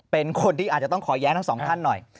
เป็นคนที่อาจจะต้องขอแย้งทั้งสองท่านหน่อย